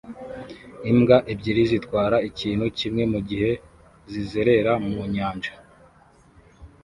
Imbwa ebyiri zitwara ikintu kimwe mugihe zizerera mu nyanja